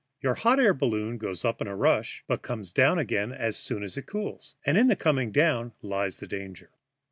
Your hot air balloon goes up with a rush, but comes down again as soon as it cools; and in the coming down lies the danger.